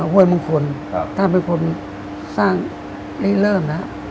ฮวยมงคลท่านเป็นคนสร้างเรียกเริ่มนะครับ